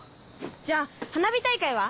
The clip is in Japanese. じゃ花火大会は？